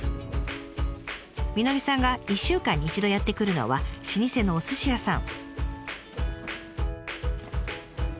みのりさんが１週間に一度やって来るのは老舗のおすし屋さん。